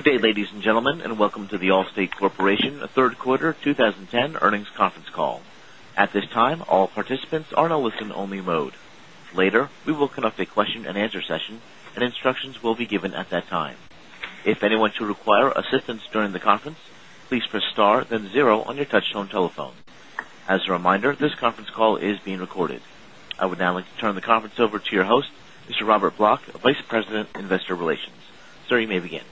Good day, ladies and gentlemen, welcome to The Allstate Corporation third quarter 2010 earnings conference call. At this time, all participants are in a listen-only mode. Later, we will conduct a question-and-answer session, and instructions will be given at that time. If anyone should require assistance during the conference, please press star then zero on your touchtone telephone. As a reminder, this conference call is being recorded. I would now like to turn the conference over to your host, Mr. Robert Block, Vice President, Investor Relations. Sir, you may begin.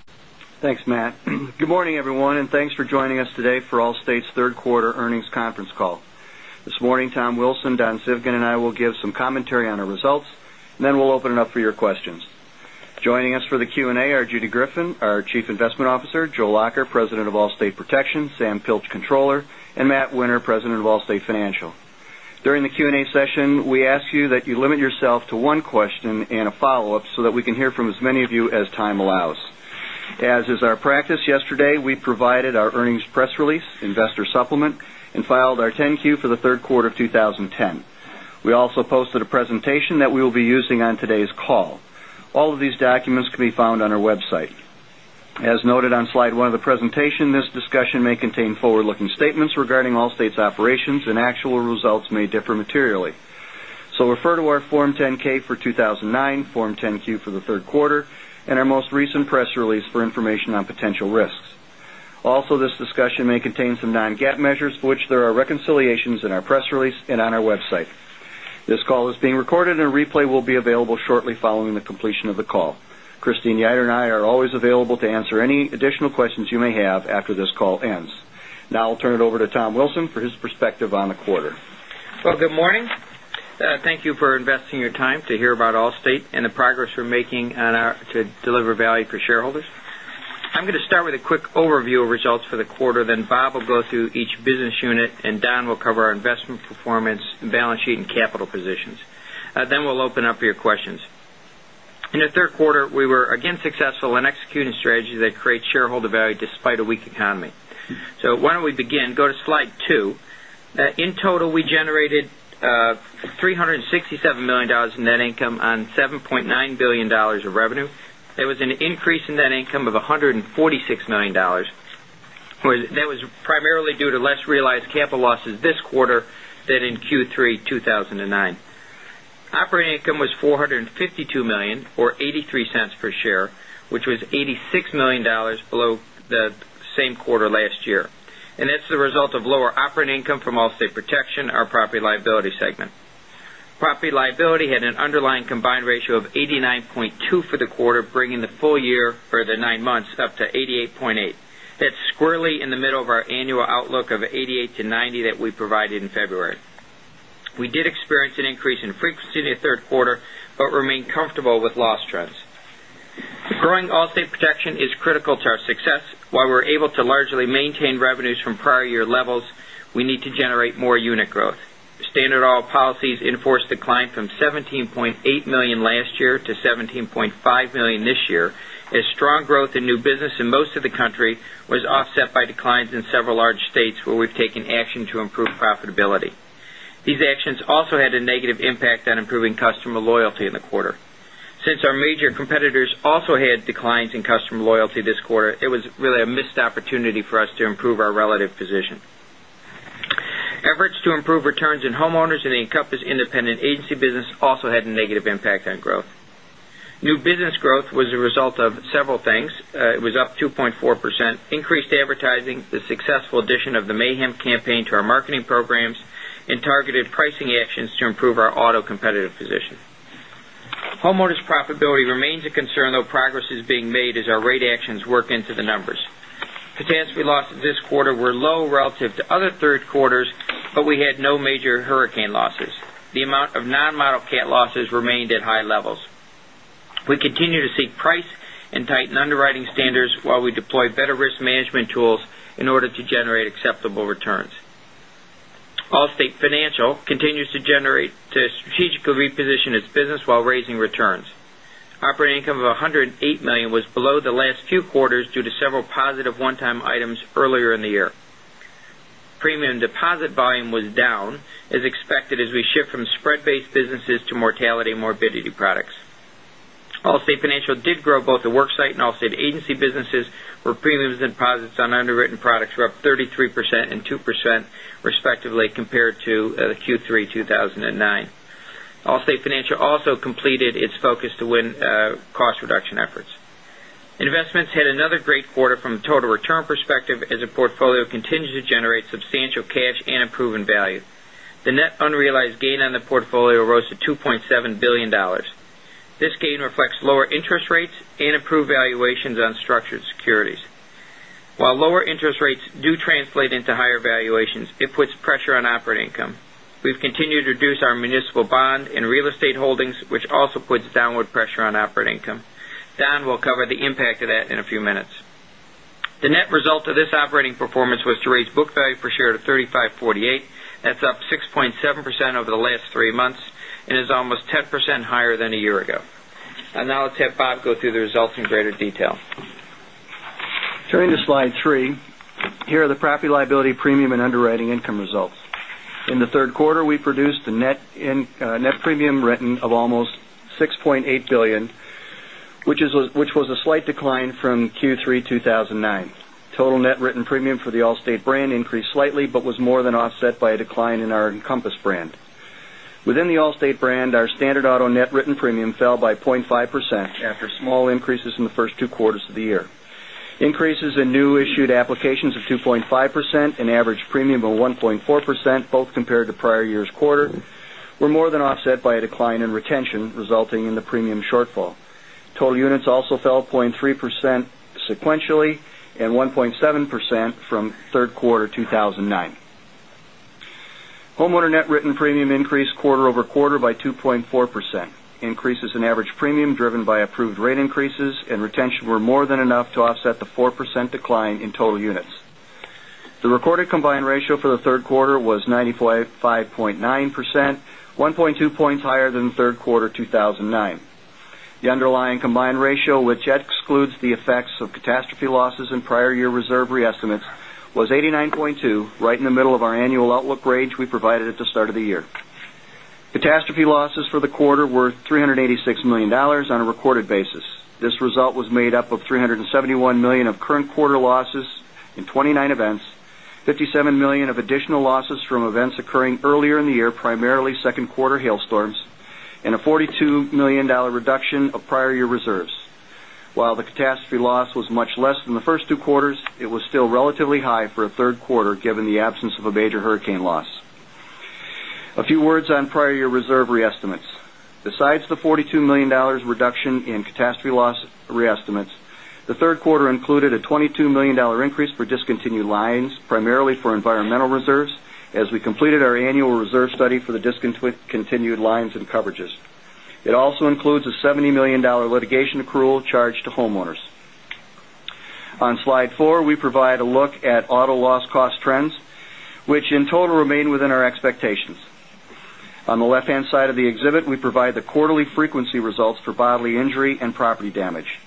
Thanks, Matt. Good morning, everyone, and thanks for joining us today for Allstate's third quarter earnings conference call. This morning, Tom Wilson, Don Zivkin, and I will give some commentary on our results, and then we'll open it up for your questions. Joining us for the Q&A are Judy Griffin, our Chief Investment Officer, Joe Lacher, President of Allstate Protection, Sam Pilch, Controller, and Matt Winter, President of Allstate Financial. During the Q&A session, we ask you that you limit yourself to one question and a follow-up so that we can hear from as many of you as time allows. As is our practice, yesterday, we provided our earnings press release, investor supplement, and filed our 10-Q for the third quarter of 2010. We also posted a presentation that we will be using on today's call. All of these documents can be found on our website. As noted on slide one of the presentation, this discussion may contain forward-looking statements regarding Allstate's operations, and actual results may differ materially. Refer to our Form 10-K for 2009, Form 10-Q for the third quarter, and our most recent press release for information on potential risks. Also, this discussion may contain some non-GAAP measures for which there are reconciliations in our press release and on our website. This call is being recorded, and a replay will be available shortly following the completion of the call. Christine Yoder and I are always available to answer any additional questions you may have after this call ends. Now I'll turn it over to Tom Wilson for his perspective on the quarter. Well, good morning. Thank you for investing your time to hear about Allstate and the progress we're making to deliver value for shareholders. I'm going to start with a quick overview of results for the quarter, then Bob will go through each business unit, and Don will cover our investment performance and balance sheet and capital positions. We'll open up for your questions. In the third quarter, we were again successful in executing strategies that create shareholder value despite a weak economy. Why don't we begin? Go to slide two. In total, we generated $367 million in net income on $7.9 billion of revenue. There was an increase in net income of $146 million. That was primarily due to less realized capital losses this quarter than in Q3 2009. Operating income was $452 million, or $0.83 per share, which was $86 million below the same quarter last year. That's the result of lower operating income from Allstate Protection, our property liability segment. Property liability had an underlying combined ratio of 89.2 for the quarter, bringing the full year for the nine months up to 88.8. That's squarely in the middle of our annual outlook of 88-90 that we provided in February. We did experience an increase in frequency in the third quarter but remain comfortable with loss trends. Growing Allstate Protection is critical to our success. While we're able to largely maintain revenues from prior year levels, we need to generate more unit growth. Standard auto policies in force declined from 17.8 million last year to 17.5 million this year, as strong growth in new business in most of the country was offset by declines in several large states where we've taken action to improve profitability. These actions also had a negative impact on improving customer loyalty in the quarter. Since our major competitors also had declines in customer loyalty this quarter, it was really a missed opportunity for us to improve our relative position. Efforts to improve returns in homeowners in the Encompass independent agency business also had a negative impact on growth. New business growth was a result of several things. It was up 2.4%, increased advertising, the successful addition of the Mayhem campaign to our marketing programs, and targeted pricing actions to improve our auto competitive position. Homeowners' profitability remains a concern, though progress is being made as our rate actions work into the numbers. Catastrophe losses this quarter were low relative to other third quarters, but we had no major hurricane losses. The amount of non-model cat losses remained at high levels. We continue to seek price and tighten underwriting standards while we deploy better risk management tools in order to generate acceptable returns. Allstate Financial continues to strategically reposition its business while raising returns. Operating income of $108 million was below the last few quarters due to several positive one-time items earlier in the year. Premium deposit volume was down, as expected, as we shift from spread-based businesses to mortality and morbidity products. Allstate Financial did grow both the worksite and Allstate agency businesses, where premiums and deposits on underwritten products were up 33% and 2% respectively, compared to Q3 2009. Allstate Financial also completed its Focus to Win cost reduction efforts. Investments had another great quarter from a total return perspective as the portfolio continued to generate substantial cash and improving value. The net unrealized gain on the portfolio rose to $2.7 billion. This gain reflects lower interest rates and improved valuations on structured securities. While lower interest rates do translate into higher valuations, it puts pressure on operating income. We've continued to reduce our municipal bond and real estate holdings, which also puts downward pressure on operating income. Don will cover the impact of that in a few minutes. The net result of this operating performance was to raise book value per share to $35.48. That's up 6.7% over the last three months and is almost 10% higher than a year ago. Now I'll let Bob go through the results in greater detail. Turning to slide three, here are the property liability premium and underwriting income results. In the third quarter, we produced a net premium written of almost $6.8 billion, which was a slight decline from Q3 2009. Total net written premium for the Allstate brand increased slightly but was more than offset by a decline in our Encompass brand. Within the Allstate brand, our standard auto net written premium fell by 0.5% after small increases in the first two quarters of the year. Increases in new issued applications of 2.5% and average premium of 1.4%, both compared to prior year's quarter, were more than offset by a decline in retention, resulting in the premium shortfall. Total units also fell 0.3% sequentially and 1.7% from third quarter 2009. Homeowner net written premium increased quarter-over-quarter by 2.4%. Increases in average premium driven by approved rate increases and retention were more than enough to offset the 4% decline in total units. The recorded combined ratio for the third quarter was 95.9%, 1.2 points higher than third quarter 2009. The underlying combined ratio, which excludes the effects of catastrophe losses and prior year reserve re-estimates, was 89.2%, right in the middle of our annual outlook range we provided at the start of the year. Catastrophe losses for the quarter were $386 million on a recorded basis. This result was made up of $371 million of current quarter losses in 29 events, $57 million of additional losses from events occurring earlier in the year, primarily second quarter hailstorms, and a $42 million reduction of prior year reserves. While the catastrophe loss was much less than the first two quarters, it was still relatively high for a third quarter given the absence of a major hurricane loss. A few words on prior year reserve re-estimates. Besides the $42 million reduction in catastrophe loss re-estimates, the third quarter included a $22 million increase for discontinued lines, primarily for environmental reserves, as we completed our annual reserve study for the discontinued lines and coverages. It also includes a $70 million litigation accrual charge to homeowners. On slide four, we provide a look at auto loss cost trends, which in total remain within our expectations. On the left-hand side of the exhibit, we provide the quarterly frequency results for bodily injury and property damage.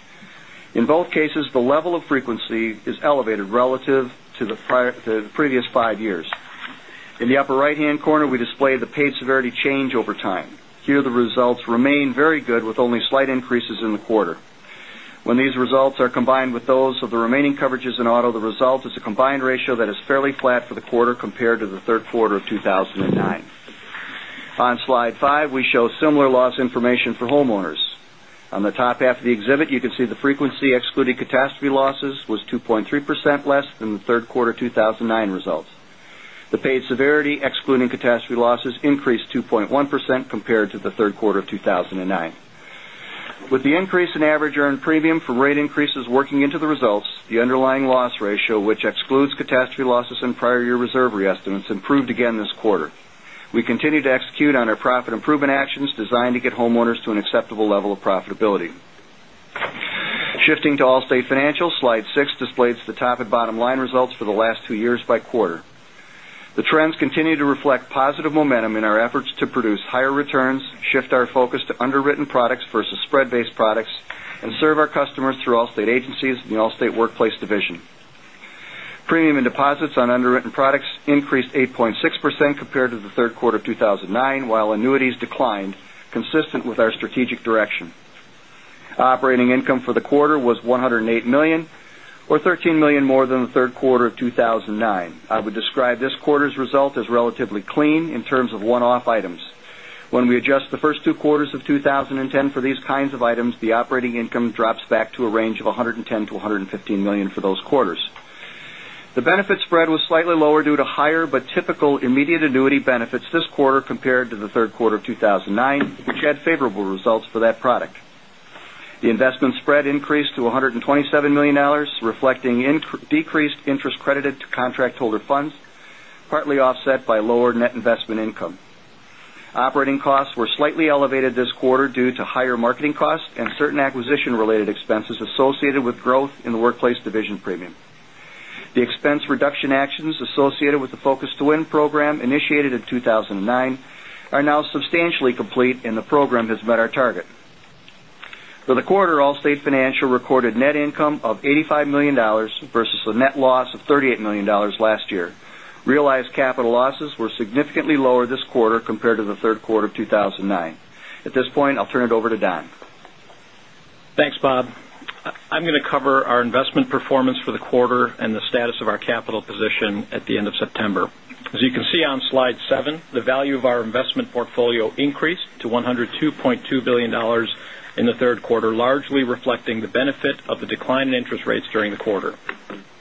In both cases, the level of frequency is elevated relative to the previous five years. In the upper right-hand corner, we display the paid severity change over time. Here, the results remain very good with only slight increases in the quarter. When these results are combined with those of the remaining coverages in auto, the result is a combined ratio that is fairly flat for the quarter compared to the third quarter of 2009. On slide five, we show similar loss information for homeowners. On the top half of the exhibit, you can see the frequency excluding catastrophe losses was 2.3% less than the third quarter 2009 results. The paid severity excluding catastrophe losses increased 2.1% compared to the third quarter of 2009. With the increase in average earned premium from rate increases working into the results, the underlying loss ratio, which excludes catastrophe losses and prior year reserve re-estimates, improved again this quarter. We continue to execute on our profit improvement actions designed to get homeowners to an acceptable level of profitability. Shifting to Allstate Financial, slide seven displays the top and bottom line results for the last two years by quarter. The trends continue to reflect positive momentum in our efforts to produce higher returns, shift our focus to underwritten products versus spread-based products, and serve our customers through Allstate agencies and the Allstate Workplace Division. Premium and deposits on underwritten products increased 8.6% compared to the third quarter of 2009, while annuities declined, consistent with our strategic direction. Operating income for the quarter was $108 million, or $13 million more than the third quarter of 2009. I would describe this quarter's result as relatively clean in terms of one-off items. When we adjust the first two quarters of 2010 for these kinds of items, the operating income drops back to a range of $110 million-$115 million for those quarters. The benefit spread was slightly lower due to higher but typical immediate annuity benefits this quarter compared to the third quarter of 2009, which had favorable results for that product. The investment spread increased to $127 million, reflecting decreased interest credited to contract holder funds, partly offset by lower net investment income. Operating costs were slightly elevated this quarter due to higher marketing costs and certain acquisition-related expenses associated with growth in the Workplace Division premium. The expense reduction actions associated with the Focus to Win program initiated in 2009 are now substantially complete, and the program has met our target. For the quarter, Allstate Financial recorded net income of $85 million versus a net loss of $38 million last year. Realized capital losses were significantly lower this quarter compared to the third quarter of 2009. At this point, I'll turn it over to Don. Thanks, Bob. I'm going to cover our investment performance for the quarter and the status of our capital position at the end of September. As you can see on slide seven, the value of our investment portfolio increased to $102.2 billion in the third quarter, largely reflecting the benefit of the decline in interest rates during the quarter.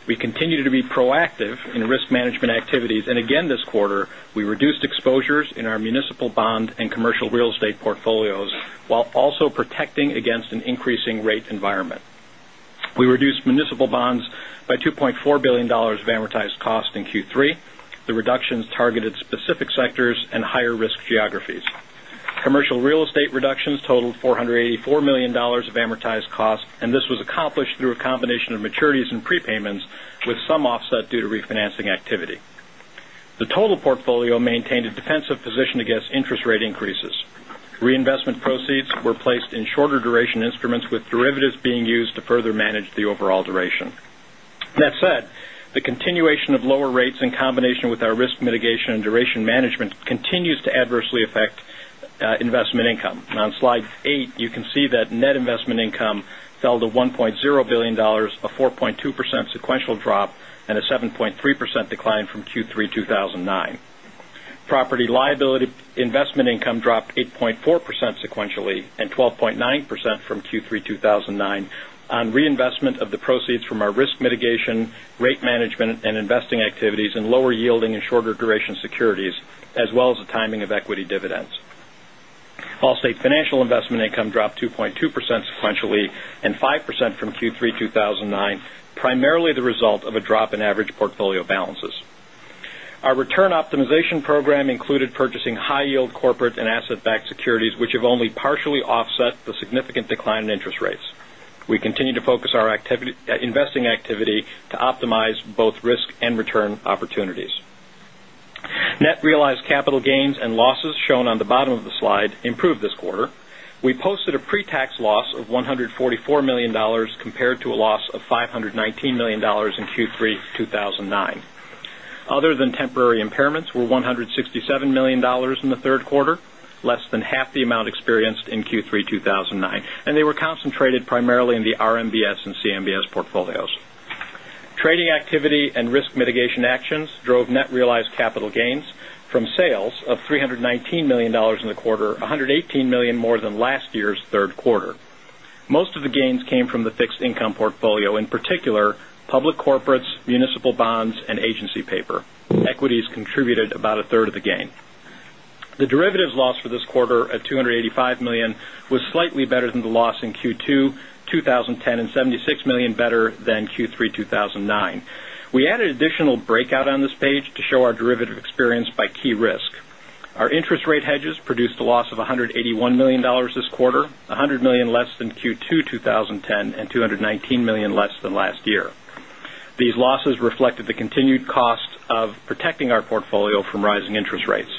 We continue to be proactive in risk management activities, and again this quarter, we reduced exposures in our municipal bond and commercial real estate portfolios while also protecting against an increasing rate environment. We reduced municipal bonds by $2.4 billion of amortized cost in Q3. The reductions targeted specific sectors and higher risk geographies. Commercial real estate reductions totaled $484 million of amortized cost, and this was accomplished through a combination of maturities and prepayments with some offset due to refinancing activity. The total portfolio maintained a defensive position against interest rate increases. Reinvestment proceeds were placed in shorter duration instruments with derivatives being used to further manage the overall duration. That said, the continuation of lower rates in combination with our risk mitigation and duration management continues to adversely affect investment income. On slide eight, you can see that net investment income fell to $1.0 billion, a 4.2% sequential drop, and a 7.3% decline from Q3 2009. Property liability investment income dropped 8.4% sequentially and 12.9% from Q3 2009 on reinvestment of the proceeds from our risk mitigation, rate management, and investing activities in lower yielding and shorter duration securities, as well as the timing of equity dividends. Allstate Financial investment income dropped 2.2% sequentially and 5% from Q3 2009, primarily the result of a drop in average portfolio balances. Our return optimization program included purchasing high yield corporate and asset-backed securities, which have only partially offset the significant decline in interest rates. We continue to focus our investing activity to optimize both risk and return opportunities. Net realized capital gains and losses shown on the bottom of the slide improved this quarter. We posted a pre-tax loss of $144 million compared to a loss of $519 million in Q3 2009. Other than temporary impairments were $167 million in the third quarter, less than half the amount experienced in Q3 2009, and they were concentrated primarily in the RMBS and CMBS portfolios. Trading activity and risk mitigation actions drove net realized capital gains from sales of $319 million in the quarter, $118 million more than last year's third quarter. Most of the gains came from the fixed income portfolio, in particular public corporates, municipal bonds, and agency paper. Equities contributed about a third of the gain. The derivatives loss for this quarter at $285 million was slightly better than the loss in Q2 2010 and $76 million better than Q3 2009. We added additional breakout on this page to show our derivative experience by key risk. Our interest rate hedges produced a loss of $181 million this quarter, $100 million less than Q2 2010 and $219 million less than last year. These losses reflected the continued cost of protecting our portfolio from rising interest rates.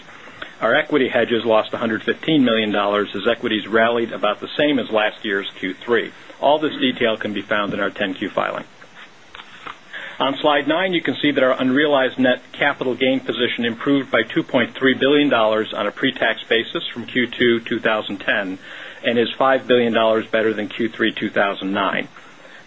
Our equity hedges lost $115 million as equities rallied about the same as last year's Q3. All this detail can be found in our 10-Q filing. On slide nine, you can see that our unrealized net capital gain position improved by $2.3 billion on a pre-tax basis from Q2 2010 and is $5 billion better than Q3 2009.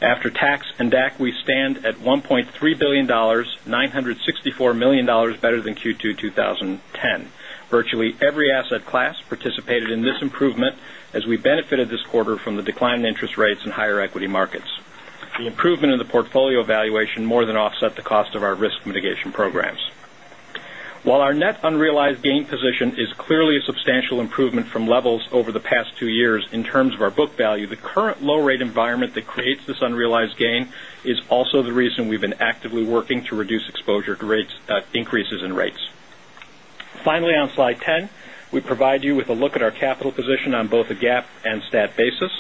After tax and DAC, we stand at $1.3 billion, $964 million better than Q2 2010. Virtually every asset class participated in this improvement as we benefited this quarter from the decline in interest rates and higher equity markets. The improvement in the portfolio valuation more than offset the cost of our risk mitigation programs. While our net unrealized gain position is clearly a substantial improvement from levels over the past two years in terms of our book value, the current low rate environment that creates this unrealized gain is also the reason we've been actively working to reduce exposure to increases in rates. Finally, on slide 10, we provide you with a look at our capital position on both a GAAP and stat basis.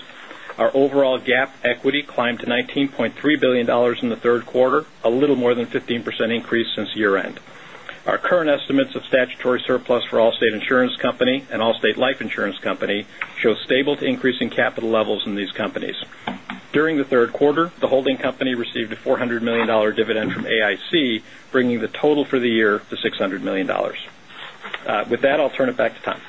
Our overall GAAP equity climbed to $19.3 billion in the third quarter, a little more than 15% increase since year end. Our current estimates of statutory surplus for Allstate Insurance Company and Allstate Life Insurance Company show stable to increasing capital levels in these companies. During the third quarter, the holding company received a $400 million dividend from AIC, bringing the total for the year to $600 million. With that, I'll turn it back to Tom.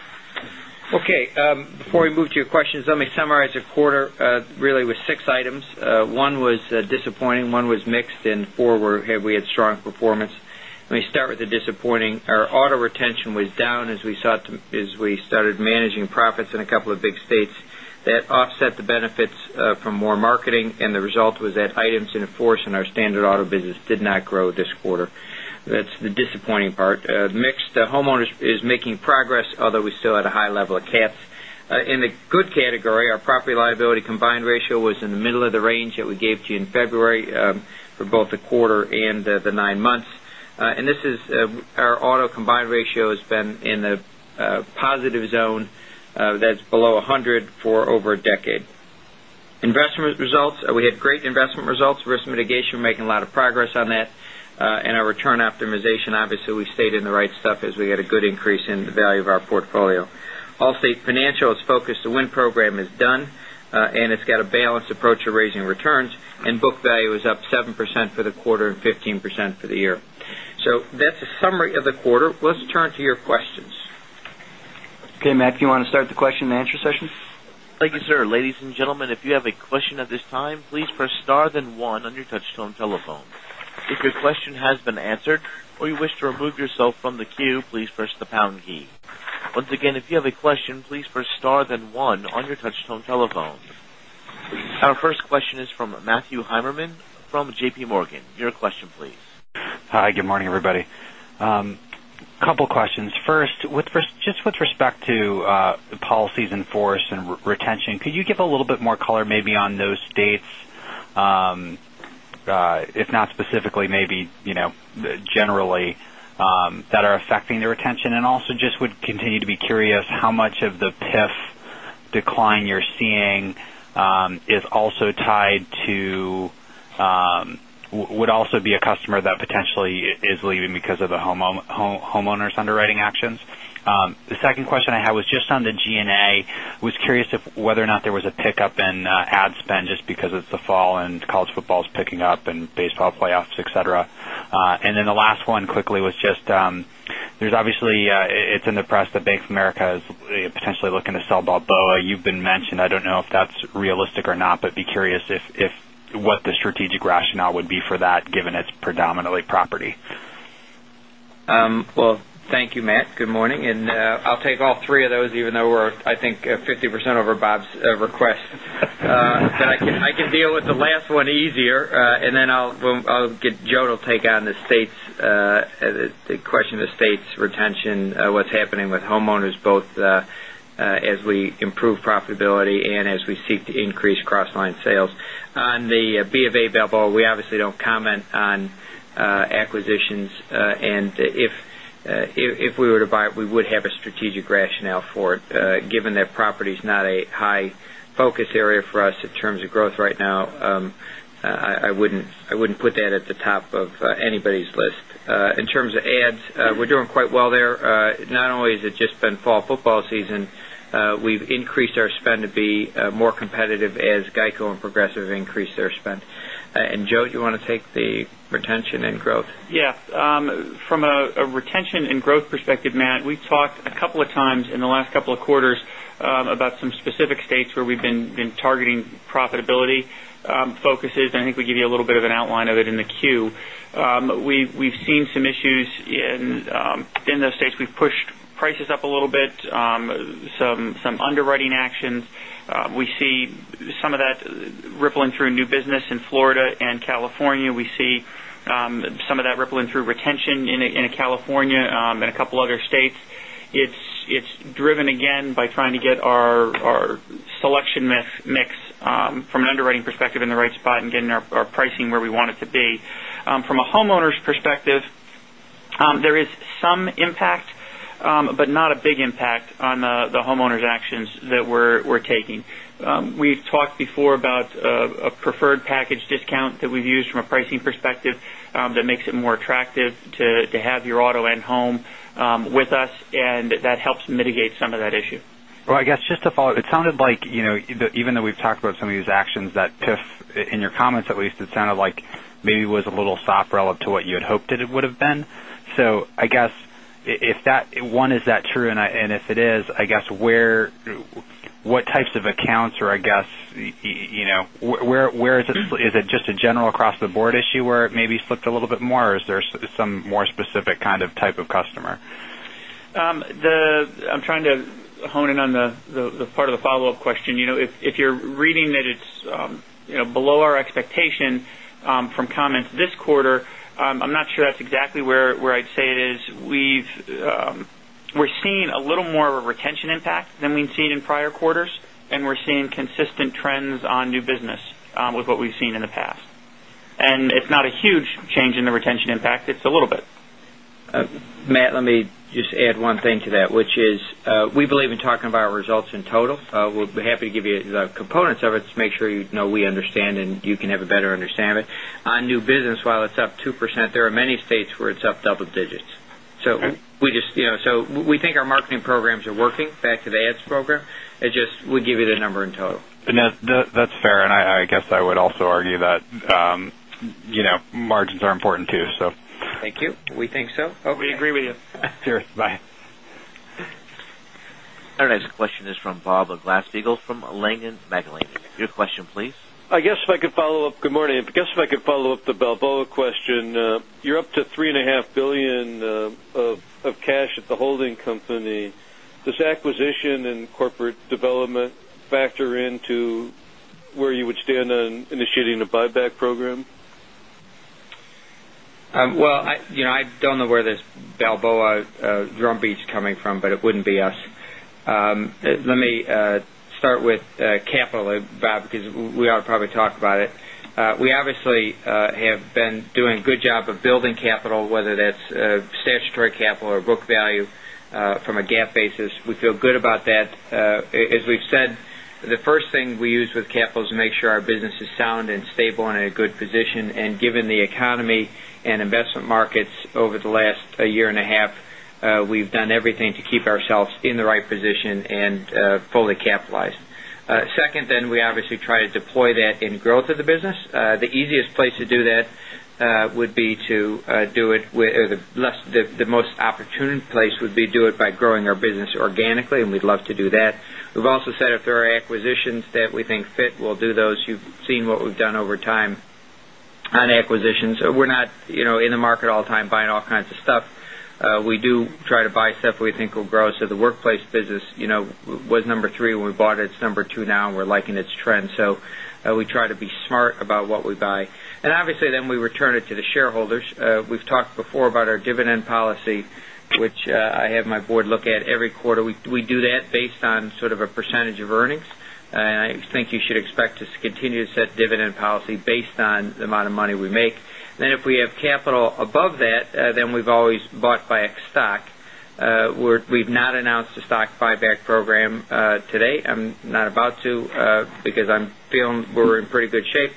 Okay. Before we move to your questions, let me summarize the quarter really with six items. One was disappointing, one was mixed, and four where we had strong performance. Let me start with the disappointing. Our auto retention was down as we started managing profits in a couple of big states. That offset the benefits from more marketing, and the result was that items in force in our Standard auto business did not grow this quarter. That's the disappointing part. Mixed, homeowners is making progress, although we still had a high level of cats. In the good category, our property liability combined ratio was in the middle of the range that we gave to you in February for both the quarter and the nine months. Our auto combined ratio has been in the positive zone that's below 100 for over a decade. Investment results, we had great investment results. Risk mitigation, we're making a lot of progress on that. Our return optimization, obviously, we stayed in the right stuff as we had a good increase in the value of our portfolio. Allstate Financial's Focus to Win program is done, and it's got a balanced approach to raising returns, and book value is up 7% for the quarter and 15% for the year. That's a summary of the quarter. Let's turn to your questions. Okay, Matt, do you want to start the question and answer session? Thank you, sir. Ladies and gentlemen, if you have a question at this time, please press star then one on your touchtone telephone. If your question has been answered or you wish to remove yourself from the queue, please press the pound key. Once again, if you have a question, please press star then one on your touchtone telephone. Our first question is from Matthew Heimermann from J.P. Morgan. Your question please. Hi. Good morning, everybody. Couple questions. First, just with respect to the policies in force and retention, could you give a little bit more color maybe on those states, if not specifically, maybe generally, that are affecting the retention? Also just would continue to be curious how much of the PIF decline you're seeing would also be a customer that potentially is leaving because of the homeowners' underwriting actions? The second question I had was just on the G&A. I was curious whether or not there was a pickup in ad spend just because it's the fall and college football's picking up, and baseball playoffs, et cetera. The last one quickly was just, there's obviously, it's in the press that Bank of America is potentially looking to sell Balboa. You've been mentioned. I don't know if that's realistic or not, I'd be curious what the strategic rationale would be for that, given it's predominantly property. Well, thank you, Matt. Good morning, I'll take all three of those, even though we're, I think, 50% over Bob's request. I can deal with the last one easier, Joe will take on the question of the state's retention, what's happening with homeowners both as we improve profitability and as we seek to increase cross-line sales. On the B of A Balboa, we obviously don't comment on acquisitions, if we were to buy it, we would have a strategic rationale for it. Given that property's not a high focus area for us in terms of growth right now, I wouldn't put that at the top of anybody's list. In terms of ads, we're doing quite well there. Not only has it just been fall football season, we've increased our spend to be more competitive as GEICO and Progressive increase their spend. Joe, do you want to take the retention and growth? Yes. From a retention and growth perspective, Matt, we've talked a couple of times in the last couple of quarters about some specific states where we've been targeting profitability focuses, and I think we give you a little bit of an outline of it in the Q. We've seen some issues in those states. We've pushed prices up a little bit, some underwriting actions. We see some of that rippling through new business in Florida and California. We see some of that rippling through retention in California and a couple other states. It's driven again by trying to get our selection mix from an underwriting perspective in the right spot and getting our pricing where we want it to be. From a homeowner's perspective, there is some impact but not a big impact on the homeowner's actions that we're taking. We've talked before about a preferred package discount that we've used from a pricing perspective that makes it more attractive to have your auto and home with us, and that helps mitigate some of that issue. Well, I guess just to follow up, it sounded like, even though we've talked about some of these actions that PIF, in your comments at least, it sounded like maybe it was a little soft relative to what you had hoped that it would have been. I guess, one, is that true, and if it is, I guess what types of accounts or I guess, is it just a general across-the-board issue where it maybe slipped a little bit more, or is there some more specific kind of type of customer? I'm trying to hone in on the part of the follow-up question. If you're reading that it's below our expectation from comments this quarter, I'm not sure that's exactly where I'd say it is. We're seeing a little more of a retention impact than we'd seen in prior quarters, and we're seeing consistent trends on new business with what we've seen in the past. It's not a huge change in the retention impact, it's a little bit. Matt, let me just add one thing to that, which is we believe in talking about our results in total. We'll be happy to give you the components of it to make sure we understand, and you can have a better understanding of it. On new business, while it's up 2%, there are many states where it's up double digits. Okay. We think our marketing programs are working, back to the ads program. We give you the number in total. No, that's fair. I guess I would also argue that margins are important too. Thank you. We think so. Oh, we agree with you. Sure. Bye. Our next question is from Bob Glasspiegel from Langen McAlenney. Your question, please. I guess if I could follow up, good morning. I guess if I could follow up the Balboa question. You're up to three and a half billion of cash at the holding company. Does acquisition and corporate development factor into where you would stand on initiating a buyback program? Well, I don't know where this Balboa drumbeat's coming from, but it wouldn't be us. Let me start with capital, Bob, because we ought to probably talk about it. We obviously have been doing a good job of building capital, whether that's statutory capital or book value from a GAAP basis. We feel good about that. As we've said, the first thing we use with capital is to make sure our business is sound and stable and in a good position. Given the economy and investment markets over the last year and a half, we've done everything to keep ourselves in the right position and fully capitalized. Second, we obviously try to deploy that in growth of the business. The easiest place to do that would be to do it where the most opportune place would be do it by growing our business organically, and we'd love to do that. We've also said if there are acquisitions that we think fit, we'll do those. You've seen what we've done over time on acquisitions. We're not in the market all the time buying all kinds of stuff. We do try to buy stuff we think will grow. The Workplace business was number 3 when we bought it. It's number 2 now, and we're liking its trend. We try to be smart about what we buy. Obviously we return it to the shareholders. We've talked before about our dividend policy, which I have my board look at every quarter. We do that based on sort of a percentage of earnings. I think you should expect us to continue to set dividend policy based on the amount of money we make. If we have capital above that, we've always bought back stock. We've not announced a stock buyback program today. I'm not about to because I'm feeling we're in pretty good shape.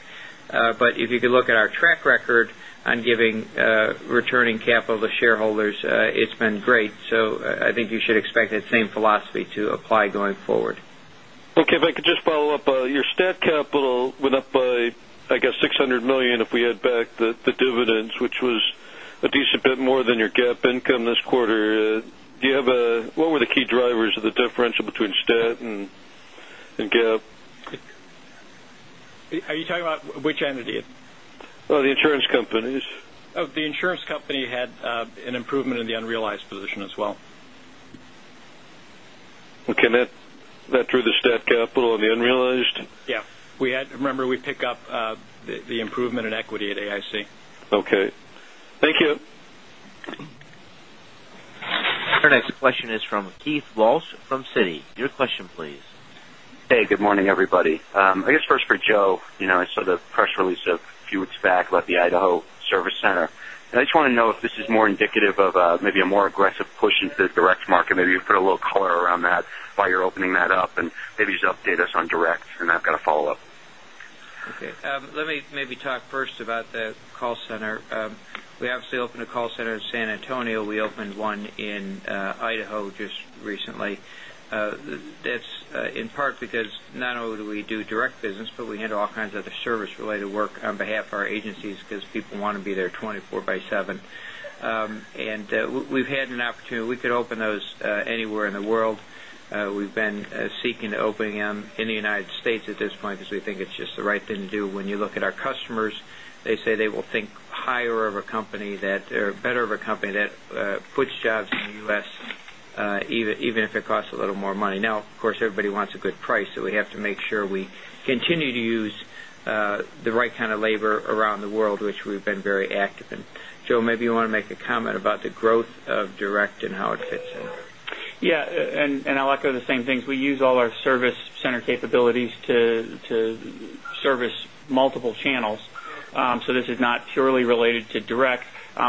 If you could look at our track record on returning capital to shareholders, it's been great. I think you should expect that same philosophy to apply going forward. Okay. If I could just follow up, your stat capital went up by, I guess, $600 million, if we add back the dividends, which was a decent bit more than your GAAP income this quarter. What were the key drivers of the differential between stat and GAAP? Are you talking about which entity? Oh, the insurance companies. Oh, the insurance company had an improvement in the unrealized position as well. Okay. That through the stat capital and the unrealized? Yeah. Remember, we pick up the improvement in equity at AIC. Okay. Thank you. Our next question is from Keith Walsh from Citi. Your question please. Hey, good morning, everybody. I guess first for Joe, I saw the press release a few weeks back about the Idaho service center, I just want to know if this is more indicative of maybe a more aggressive push into the direct market. Maybe you can put a little color around that, why you're opening that up, maybe just update us on direct. I've got a follow-up. Okay. Let me maybe talk first about the call center. We obviously opened a call center in San Antonio. We opened one in Idaho just recently. That's in part because not only do we do direct business, but we handle all kinds of other service-related work on behalf of our agencies because people want to be there 24 by 7. We've had an opportunity, we could open those anywhere in the world. We've been seeking to opening them in the U.S. at this point because we think it's just the right thing to do. When you look at our customers, they say they will think better of a company that puts jobs in the U.S. even if it costs a little more money. Now, of course, everybody wants a good price, so we have to make sure we continue to use the right kind of labor around the world, which we've been very active in. Joe, maybe you want to make a comment about the growth of direct and how it fits in. Yeah, I'll echo the same things. We use all our service center capabilities to service multiple channels. This is not purely related to direct.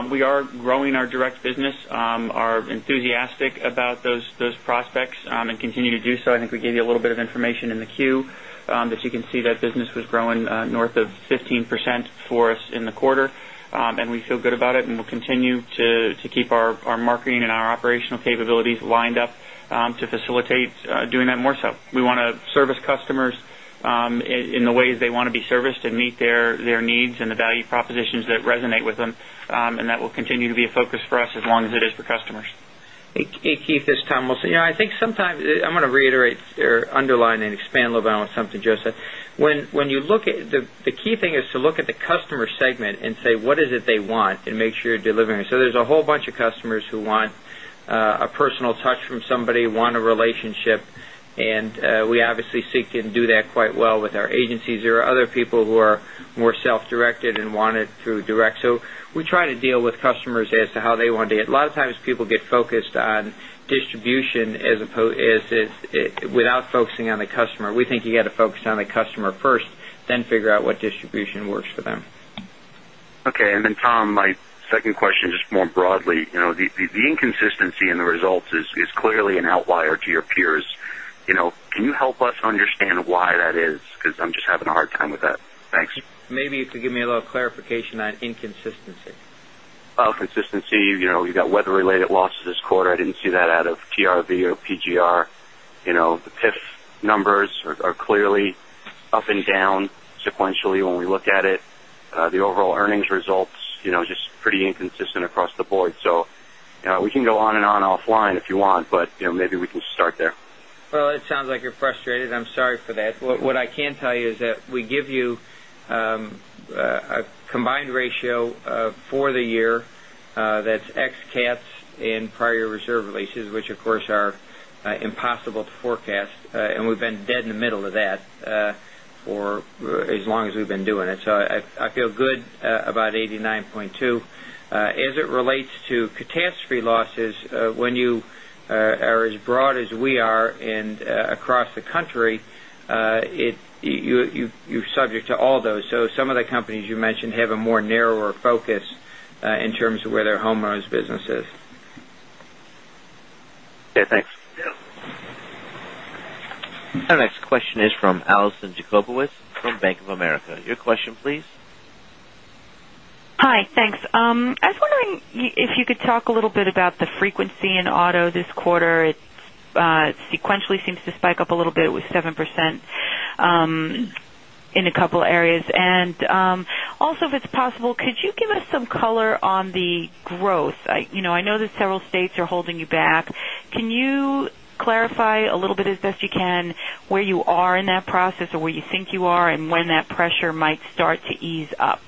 We are growing our direct business, are enthusiastic about those prospects and continue to do so. I think we gave you a little bit of information in the 10-Q that you can see that business was growing north of 15% for us in the quarter. We feel good about it, we'll continue to keep our marketing and our operational capabilities lined up to facilitate doing that more so. We want to service customers in the ways they want to be serviced and meet their needs and the value propositions that resonate with them. That will continue to be a focus for us as long as it is for customers. Hey, Keith, this is Tom Wilson. I'm going to reiterate or underline and expand a little bit on something Joe said. The key thing is to look at the customer segment and say, what is it they want, and make sure you're delivering it. There's a whole bunch of customers who want a personal touch from somebody, want a relationship, and we obviously seek and do that quite well with our agencies. There are other people who are more self-directed and want it through direct. We try to deal with customers as to how they want it. A lot of times people get focused on distribution without focusing on the customer. We think you got to focus on the customer first, then figure out what distribution works for them. Okay. Tom, my second question, just more broadly. The inconsistency in the results is clearly an outlier to your peers. Can you help us understand why that is? Because I'm just having a hard time with that. Thanks. Maybe you could give me a little clarification on inconsistency. Oh, consistency, you've got weather-related losses this quarter. I didn't see that out of TRV or PGR. The PIF numbers are clearly up and down sequentially when we look at it. The overall earnings results, just pretty inconsistent across the board. We can go on and on offline if you want, but maybe we can start there. It sounds like you're frustrated. I'm sorry for that. What I can tell you is that we give you a combined ratio for the year that's ex-cats in prior year reserve releases, which of course are impossible to forecast. We've been dead in the middle of that for as long as we've been doing it. I feel good about 89.2. As it relates to catastrophe losses, when you are as broad as we are and across the country, you're subject to all those. Some of the companies you mentioned have a more narrower focus in terms of where their homeowners business is. Okay, thanks. Yeah. Our next question is from Alison Jacobowitz from Bank of America. Your question please. Hi, thanks. I was wondering if you could talk a little bit about the frequency in auto this quarter. It sequentially seems to spike up a little bit with 7% in a couple areas. Also, if it's possible, could you give us some color on the growth? I know that several states are holding you back. Can you clarify a little bit as best you can where you are in that process or where you think you are and when that pressure might start to ease up?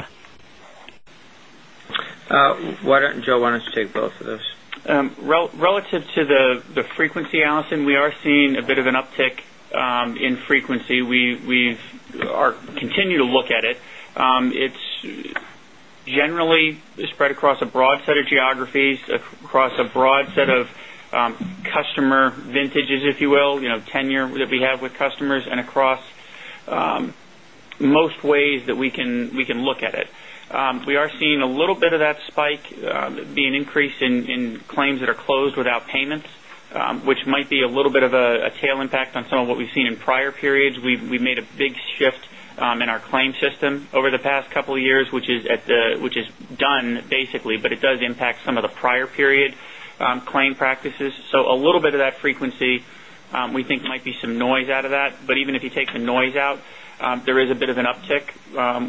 Joe, why don't you take both of those? Relative to the frequency, Allison, we are seeing a bit of an uptick in frequency. We continue to look at it. It's generally spread across a broad set of geographies, across a broad set of customer vintages, if you will, tenure that we have with customers and across most ways that we can look at it. We are seeing a little bit of that spike be an increase in claims that are closed without payments, which might be a little bit of a tail impact on some of what we've seen in prior periods. We've made a big shift in our claim system over the past couple of years, which is done basically, but it does impact some of the prior period claim practices. A little bit of that frequency, we think might be some noise out of that. Even if you take the noise out, there is a bit of an uptick.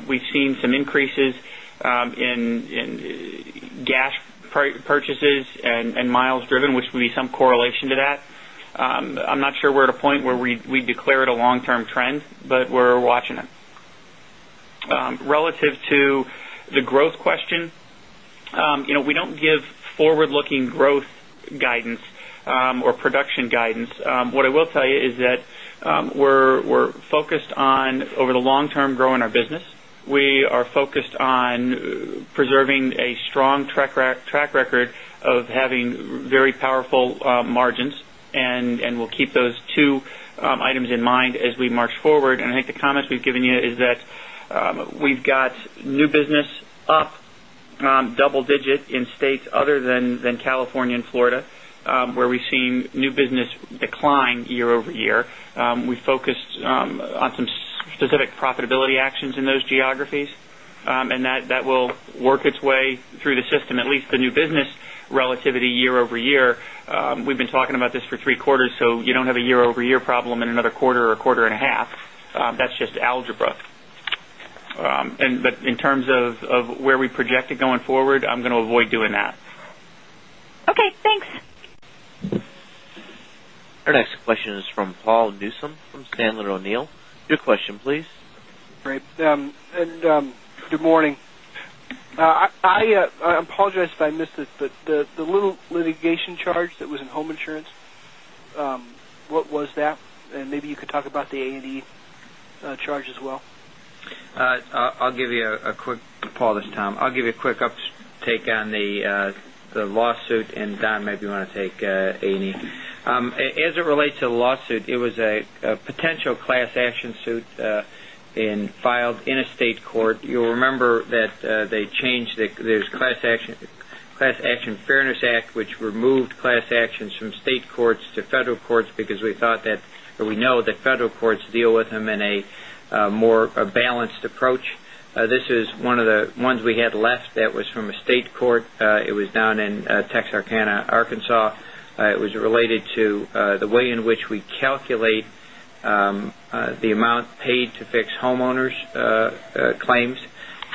We've seen some increases in gas purchases and miles driven, which will be some correlation to that. I'm not sure we're at a point where we declare it a long-term trend, but we're watching it. Relative to the growth question, we don't give forward-looking growth guidance or production guidance. What I will tell you is that we're focused on, over the long term, growing our business. We are focused on preserving a strong track record of having very powerful margins, and we'll keep those two items in mind as we march forward. I think the comments we've given you is that we've got new business up double-digit in states other than California and Florida, where we've seen new business decline year-over-year. We focused on some specific profitability actions in those geographies, and that will work its way through the system, at least the new business relativity year-over-year. We've been talking about this for three quarters, so you don't have a year-over-year problem in another quarter or quarter and a half. That's just algebra. In terms of where we project it going forward, I'm going to avoid doing that. Okay, thanks. Our next question is from Paul Newsome from Sandler O'Neill. Your question, please. Great. Good morning. I apologize if I missed it, but the little litigation charge that was in home insurance, what was that? Maybe you could talk about the A&E charge as well. Paul, this is Tom. I'll give you a quick take on the lawsuit. Don, maybe you want to take A&E. As it relates to the lawsuit, it was a potential class action suit filed in a state court. You'll remember that they changed the Class Action Fairness Act, which removed class actions from state courts to federal courts because we know that federal courts deal with them in a more balanced approach. This is one of the ones we had left that was from a state court. It was down in Texarkana, Arkansas. It was related to the way in which we calculate the amount paid to fix homeowners' claims.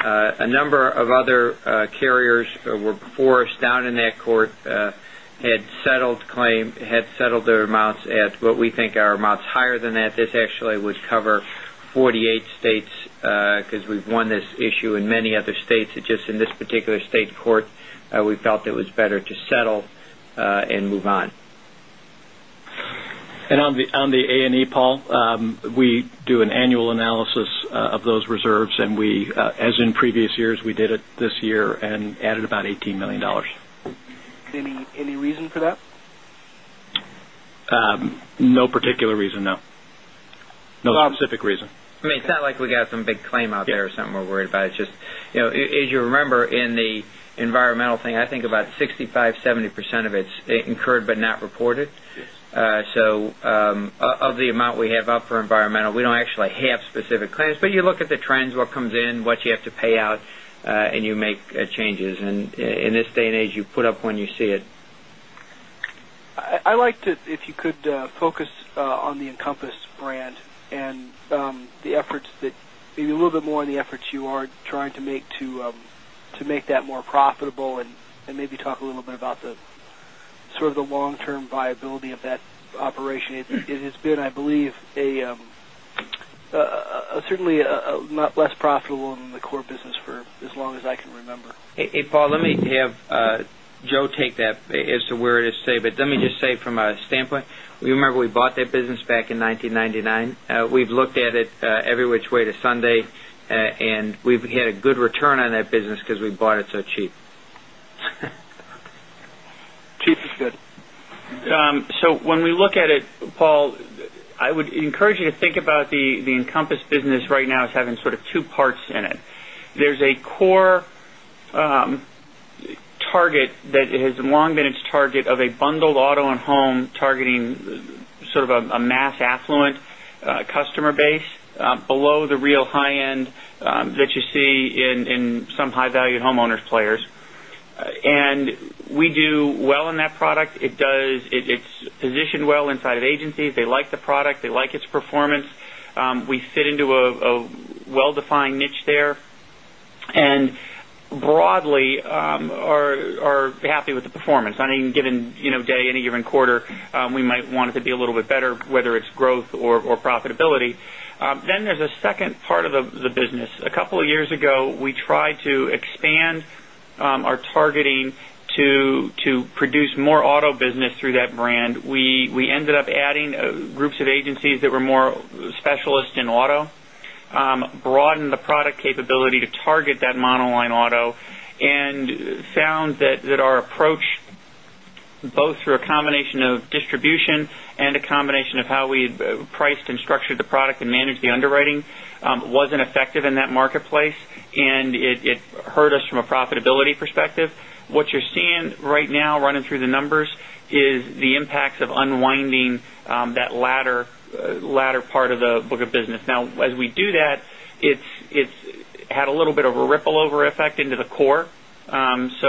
A number of other carriers were before us down in that court had settled their amounts at what we think are amounts higher than that. This actually would cover 48 states because we've won this issue in many other states. It's just in this particular state court, we felt it was better to settle and move on. On the A&E, Paul, we do an annual analysis of those reserves, and as in previous years, we did it this year and added about $18 million. Any reason for that? No particular reason, no. No specific reason. It's not like we got some big claim out there or something we're worried about. It's just as you remember in the environmental thing, I think about 65%-70% of it is incurred but not reported. Yes. Of the amount we have up for environmental, we don't actually have specific claims. You look at the trends, what comes in, what you have to pay out, and you make changes. In this day and age, you put up when you see it. I like to, if you could, focus on the Encompass brand and maybe a little bit more on the efforts you are trying to make to make that more profitable, and maybe talk a little bit about the sort of long-term viability of that operation. It has been, I believe, certainly less profitable than the core business for as long as I can remember. Hey, Paul, let me have Joe take that as to where it is today. Let me just say from a standpoint, you remember we bought that business back in 1999. We've looked at it every which way to Sunday, and we've had a good return on that business because we bought it so cheap. Cheap is good. When we look at it, Paul, I would encourage you to think about the Encompass business right now as having sort of two parts in it. There's a core target that has long been its target of a bundled auto and home targeting sort of a mass affluent customer base below the real high-end that you see in some high-value homeowners players. We do well in that product. It's positioned well inside of agencies. They like the product. They like its performance. We fit into a well-defined niche there. Broadly are happy with the performance. On any given day, any given quarter, we might want it to be a little bit better, whether it's growth or profitability. There's a second part of the business. A couple of years ago, we tried to expand our targeting to produce more auto business through that brand. We ended up adding groups of agencies that were more specialist in auto, broadened the product capability to target that monoline auto, and found that our approach, both through a combination of distribution and a combination of how we priced and structured the product and managed the underwriting, wasn't effective in that marketplace, and it hurt us from a profitability perspective. What you're seeing right now running through the numbers is the impacts of unwinding that latter part of the book of business. As we do that, it's had a little bit of a ripple over effect into the core. That's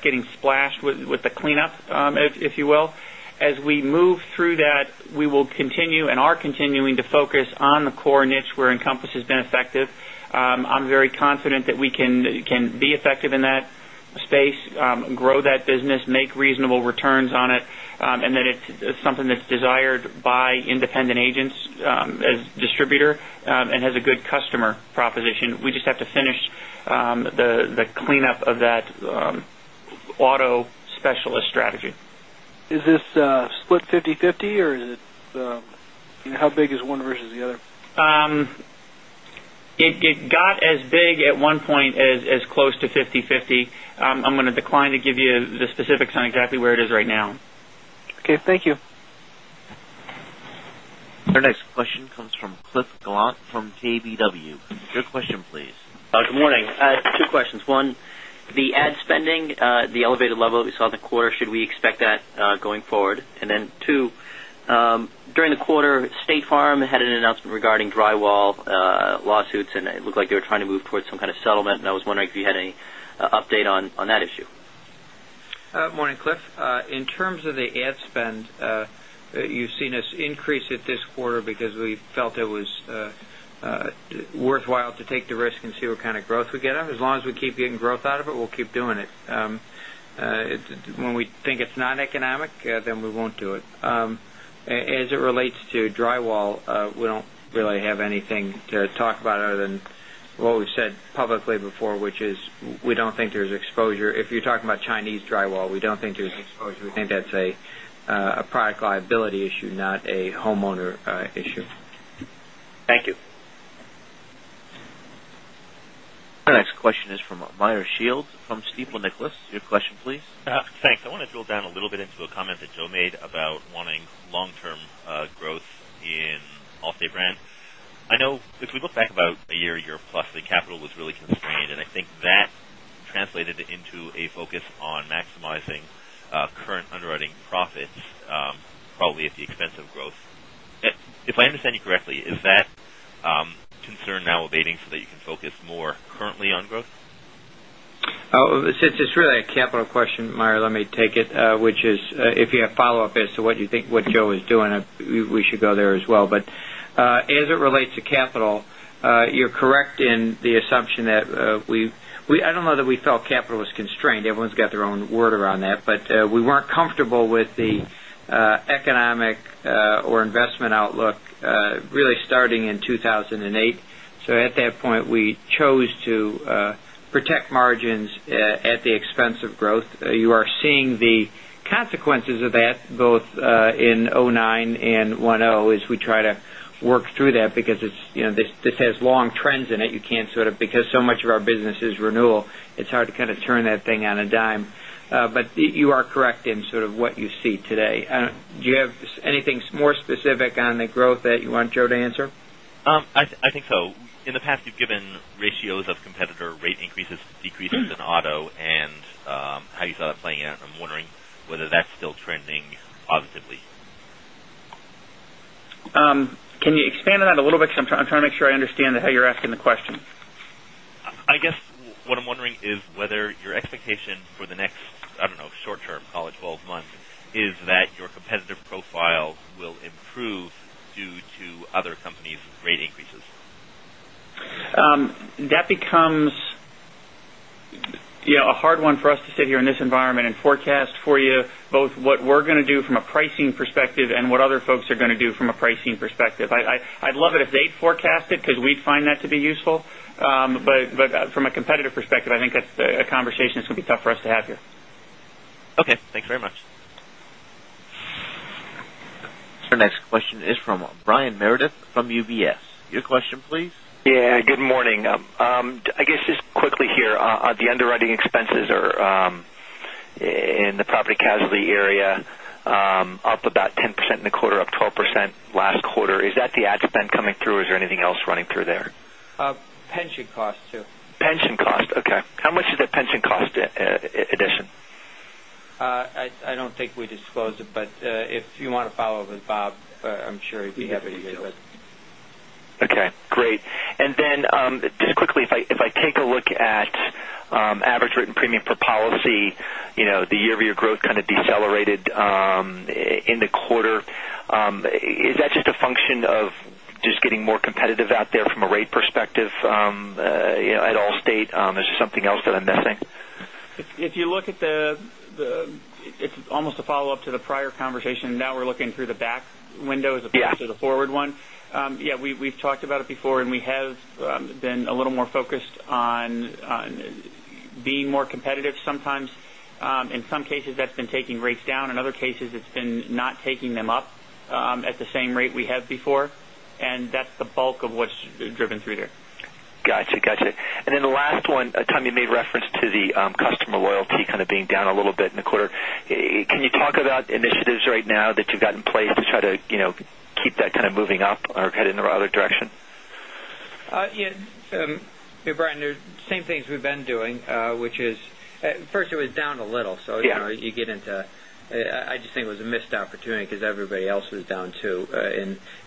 getting splashed with the cleanup, if you will. As we move through that, we will continue and are continuing to focus on the core niche where Encompass has been effective. I'm very confident that we can be effective in that space, grow that business, make reasonable returns on it, and that it's something that's desired by independent agents as distributor, and has a good customer proposition. We just have to finish the cleanup of that auto specialist strategy. Is this split 50-50, or how big is one versus the other? It got as big at one point as close to 50-50. I'm going to decline to give you the specifics on exactly where it is right now. Okay. Thank you. Our next question comes from Cliff Gallant from KBW. Your question, please. Good morning. Two questions. 1, the ad spending, the elevated level that we saw in the quarter, should we expect that going forward? 2, during the quarter, State Farm had an announcement regarding drywall lawsuits, and it looked like they were trying to move towards some kind of settlement, and I was wondering if you had any update on that issue. Morning, Cliff. In terms of the ad spend, you've seen us increase it this quarter because we felt it was worthwhile to take the risk and see what kind of growth we get out of it. As long as we keep getting growth out of it, we'll keep doing it. When we think it's not economic, we won't do it. As it relates to drywall, we don't really have anything to talk about other than what we've said publicly before, which is we don't think there's exposure. If you're talking about Chinese drywall, we don't think there's exposure. We think that's a product liability issue, not a homeowner issue. Thank you. Our next question is from Meyer Shields from Stifel Nicolaus. Your question, please. Thanks. I want to drill down a little bit into a comment that Joe made about wanting long-term growth in Allstate brand. I know because we look back about a year plus, the capital was really constrained, I think that translated into a focus on maximizing current underwriting profits, probably at the expense of growth. If I understand you correctly, is that concern now abating so that you can focus more currently on growth? Since it's really a capital question, Meyer, let me take it. Which is, if you have follow-up as to what you think what Joe is doing, we should go there as well. As it relates to capital, you're correct in the assumption that I don't know that we felt capital was constrained. Everyone's got their own word around that. We weren't comfortable with the economic or investment outlook, really starting in 2008. At that point, we chose to protect margins at the expense of growth. You are seeing the consequences of that both in '09 and '10 as we try to work through that, because this has long trends in it. So much of our business is renewal, it's hard to kind of turn that thing on a dime. You are correct in sort of what you see today. Do you have anything more specific on the growth that you want Joe to answer? I think so. In the past, you've given ratios of competitor rate increases, decreases in auto, and how you saw that playing out, and I'm wondering whether that's still trending positively. Can you expand on that a little bit? I'm trying to make sure I understand how you're asking the question. I guess what I'm wondering is whether your expectation for the next, I don't know, short term, call it 12 months, is that your competitive profile will improve due to other companies' rate increases. That becomes a hard one for us to sit here in this environment and forecast for you both what we're going to do from a pricing perspective and what other folks are going to do from a pricing perspective. I'd love it if they'd forecast it because we'd find that to be useful. From a competitive perspective, I think that's a conversation that's going to be tough for us to have here. Okay. Thanks very much. Our next question is from Brian Meredith from UBS. Your question, please. Yeah, good morning. I guess just quickly here, the underwriting expenses are in the property casualty area, up about 10% in the quarter, up 12% last quarter. Is that the ad spend coming through or is there anything else running through there? Pension cost, too. Pension cost, okay. How much is the pension cost addition? I don't think we disclosed it, but if you want to follow up with Bob, I'm sure he'd be happy to get with- He has it. Okay, great. Just quickly, if I take a look at average written premium per policy, the year-over-year growth kind of decelerated in the quarter. Is that just a function of just getting more competitive out there from a rate perspective at Allstate? Is there something else that I'm missing? It's almost a follow-up to the prior conversation. Now we're looking through the back window as opposed to the forward one. Yeah. We've talked about it before, we have been a little more focused on being more competitive sometimes. In some cases, that's been taking rates down. In other cases, it's been not taking them up at the same rate we have before. That's the bulk of what's driven through there. Got you. The last one, Tom, you made reference to the customer loyalty kind of being down a little bit in the quarter. Can you talk about initiatives right now that you guys? Keep that kind of moving up or head in the other direction? Yeah. Brian, same things we've been doing, which is, first it was down a little. Yeah. You get into, I just think it was a missed opportunity because everybody else was down, too.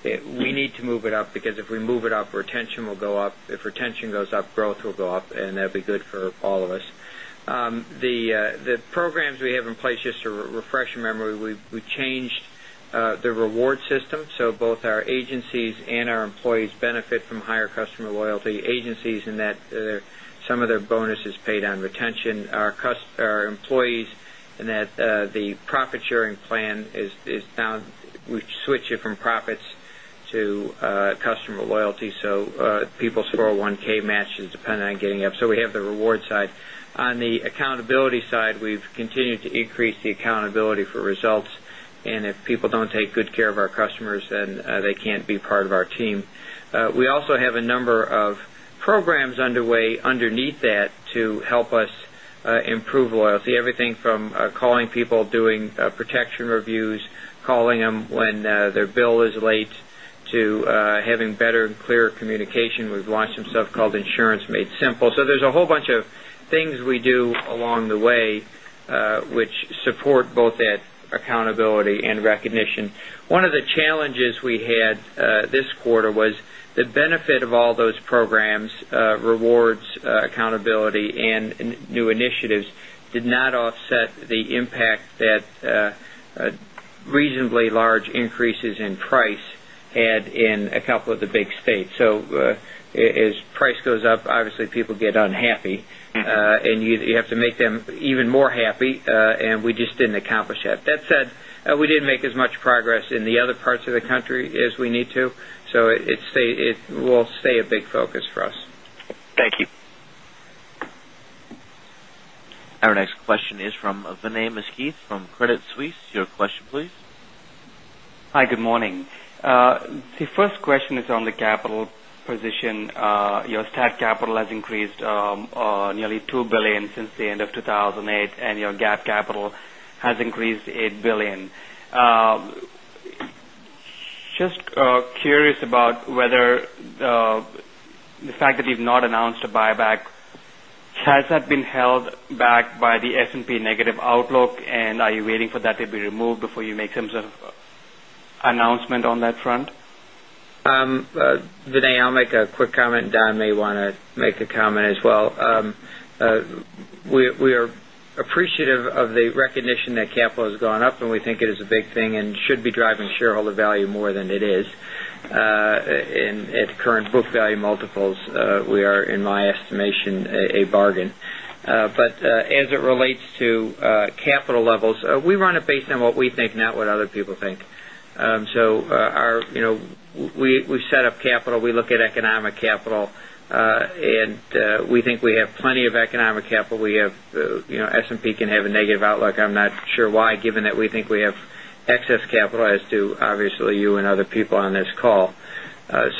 We need to move it up because if we move it up, retention will go up. If retention goes up, growth will go up, and that'd be good for all of us. The programs we have in place, just to refresh your memory, we changed the reward system. Both our agencies and our employees benefit from higher customer loyalty. Agencies in that some of their bonus is paid on retention. Our employees in that the profit sharing plan is now we've switched it from profits to customer loyalty. People's 401 matches depend on getting up. We have the reward side. On the accountability side, we've continued to increase the accountability for results, and if people don't take good care of our customers, then they can't be part of our team. We also have a number of programs underway underneath that to help us improve loyalty. Everything from calling people, doing protection reviews, calling them when their bill is late, to having better and clearer communication. We've launched some stuff called Insurance Made Simple. There's a whole bunch of things we do along the way, which support both that accountability and recognition. One of the challenges we had this quarter was the benefit of all those programs, rewards, accountability, and new initiatives did not offset the impact that reasonably large increases in price had in a couple of the big states. As price goes up, obviously people get unhappy. You have to make them even more happy, we just didn't accomplish that. That said, we didn't make as much progress in the other parts of the country as we need to. It will stay a big focus for us. Thank you. Our next question is from Vinay Misquith from Credit Suisse. Your question, please. Hi, good morning. The first question is on the capital position. Your stat capital has increased nearly $2 billion since the end of 2008, and your GAAP capital has increased $8 billion. Just curious about whether the fact that you've not announced a buyback, has that been held back by the S&P negative outlook, and are you waiting for that to be removed before you make some sort of announcement on that front? Vinay, I'll make a quick comment. Don may want to make a comment as well. We are appreciative of the recognition that capital has gone up. We think it is a big thing and should be driving shareholder value more than it is. At current book value multiples, we are, in my estimation, a bargain. As it relates to capital levels, we run it based on what we think, not what other people think. We set up capital, we look at economic capital, and we think we have plenty of economic capital. S&P can have a negative outlook. I'm not sure why, given that we think we have excess capital as do, obviously, you and other people on this call. Their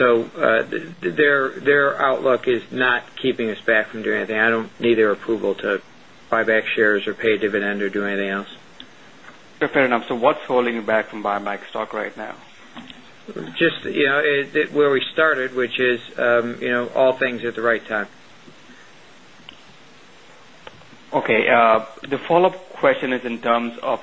outlook is not keeping us back from doing anything. I don't need their approval to buy back shares or pay a dividend or do anything else. Fair enough. What's holding you back from buying back stock right now? Just where we started, which is all things at the right time. Okay. The follow-up question is in terms of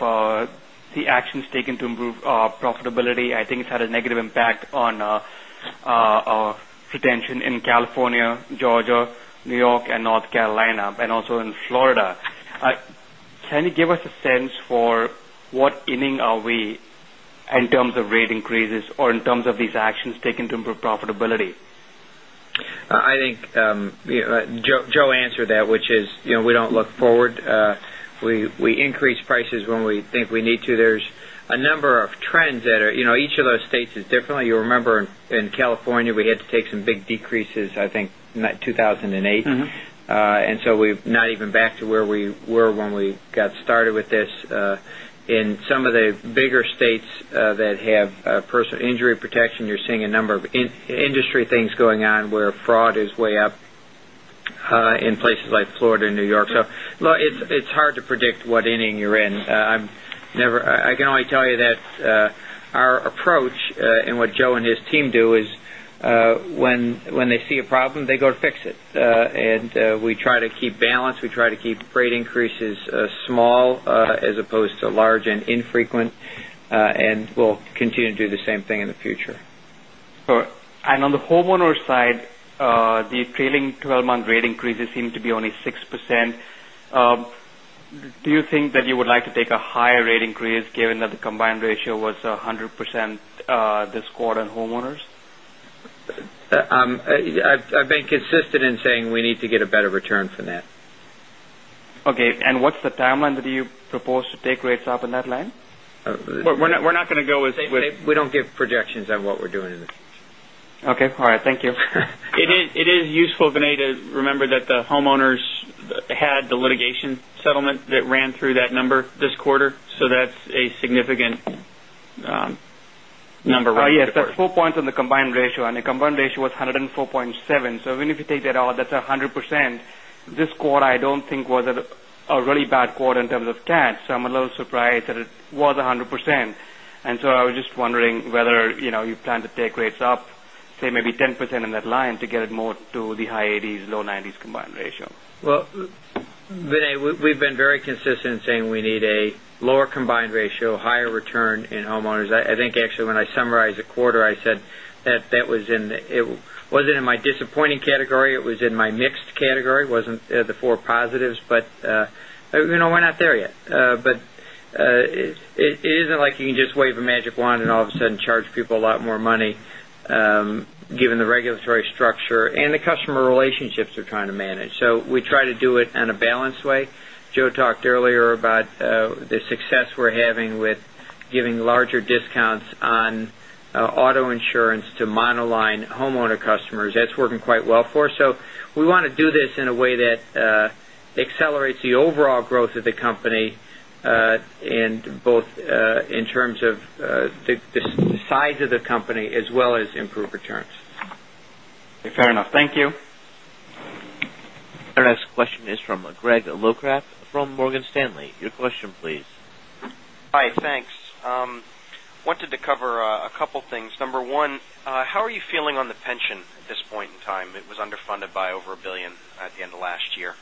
the actions taken to improve profitability. I think it's had a negative impact on our retention in California, Georgia, New York, and North Carolina, and also in Florida. Can you give us a sense for what inning are we in terms of rate increases or in terms of these actions taken to improve profitability? I think Joe answered that, which is we don't look forward. We increase prices when we think we need to. There's a number of trends that are, each of those states is different. You'll remember in California, we had to take some big decreases, I think in 2008. We're not even back to where we were when we got started with this. In some of the bigger states that have personal injury protection, you're seeing a number of industry things going on where fraud is way up in places like Florida and New York. It's hard to predict what inning you're in. I can only tell you that our approach and what Joe and his team do is when they see a problem, they go to fix it. We try to keep balance. We try to keep rate increases small as opposed to large and infrequent. We'll continue to do the same thing in the future. Sure. On the homeowner side, the trailing 12-month rate increases seem to be only 6%. Do you think that you would like to take a higher rate increase given that the combined ratio was 100% this quarter on homeowners? I've been consistent in saying we need to get a better return from that. Okay. What's the timeline that you propose to take rates up in that line? We're not going to go with. We don't give projections on what we're doing in the future. Okay. All right. Thank you. It is useful, Vinay, to remember that the homeowners had the litigation settlement that ran through that number this quarter. That's a significant number right there. Oh, yes. That's 4 points on the combined ratio. The combined ratio was 104.7. Even if you take that out, that's 100%. This quarter, I don't think was a really bad quarter in terms of cats. I'm a little surprised that it was 100%. I was just wondering whether you plan to take rates up, say maybe 10% in that line to get it more to the high 80s, low 90s combined ratio. Well, Vinay, we've been very consistent in saying we need a lower combined ratio, higher return in homeowners. I think actually when I summarized the quarter, I said that it wasn't in my disappointing category, it was in my mixed category. It wasn't the four positives, but we're not there yet. It isn't like you can just wave a magic wand and all of a sudden charge people a lot more money, given the regulatory structure and the customer relationships we're trying to manage. We try to do it in a balanced way. Joe talked earlier about the success we're having with giving larger discounts on auto insurance to monoline homeowner customers. That's working quite well for us. We want to do this in a way that accelerates the overall growth of the company, both in terms of the size of the company as well as improved returns. Fair enough. Thank you. Our next question is from Greg Locraft from Morgan Stanley. Your question, please. Hi, thanks. Wanted to cover a couple things. Number 1, how are you feeling on the pension at this point in time? It was underfunded by over $1 billion at the end of last year.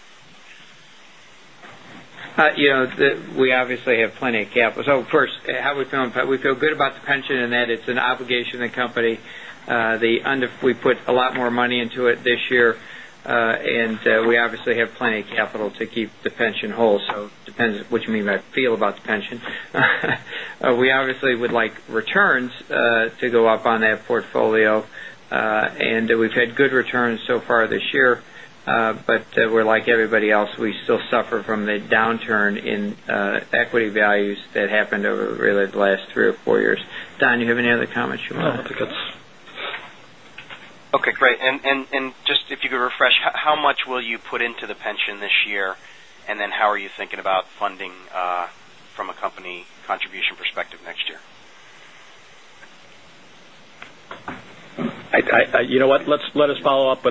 We obviously have plenty of capital. First, how are we feeling? We feel good about the pension in that it's an obligation of the company. We put a lot more money into it this year. We obviously have plenty of capital to keep the pension whole. It depends what you mean by feel about the pension. We obviously would like returns to go up on that portfolio. We've had good returns so far this year. We're like everybody else. We still suffer from the downturn in equity values that happened over really the last three or four years. Don, you have any other comments you want to make? No, I think that's Okay, great. Just if you could refresh, how much will you put into the pension this year? Then how are you thinking about funding from a company contribution perspective next year? You know what? Let us follow up